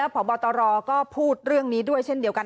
พบตรก็พูดเรื่องนี้ด้วยเช่นเดียวกัน